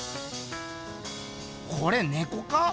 これネコか？